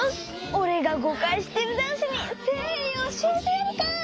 おれがごかいしてるだんしに「せいり」をおしえてやるか。